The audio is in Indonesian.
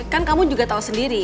kan kamu juga tahu sendiri